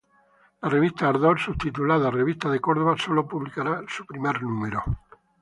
La revista "Ardor", subtitulada "Revista de Córdoba" sólo publicará su primer número.